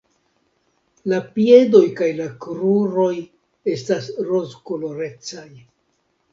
La piedoj kaj la kruroj estas rozkolorecaj.